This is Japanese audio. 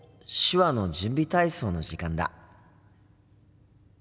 手話の準備体操の時間だ。